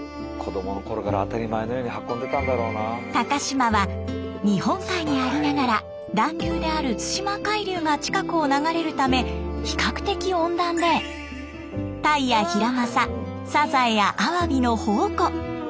高島は日本海にありながら暖流である対馬海流が近くを流れるため比較的温暖でタイやヒラマササザエやアワビの宝庫。